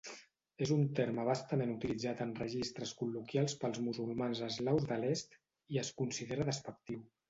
És un terme bastament utilitzat en registres col·loquials pels musulmans eslaus de l'est, i es considera despectiu.